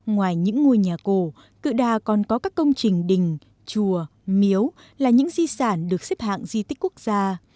ngoài những ngôi nhà cổ tự đà còn có các công trình đình chùa miếu là những di sản được xếp hạng di tích quốc gia